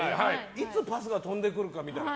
いつパスが飛んでくるかみたいな。